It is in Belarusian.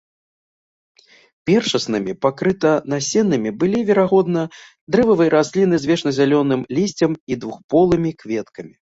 Першаснымі пакрытанасеннымі былі, верагодна, дрэвавыя расліны з вечназялёным лісцем і двухполымі кветкамі.